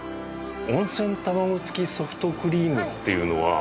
温泉たまご付きソフトクリームっていうのは。